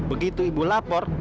begitu ibu lapor